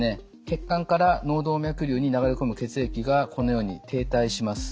血管から脳動脈瘤に流れ込む血液がこのように停滞します。